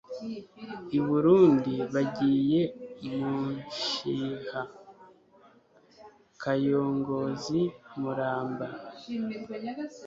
i burundi bagiye mushiha, kayongozi, muramba